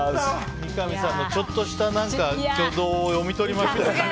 三上さんのちょっとした挙動を読み取りましたね。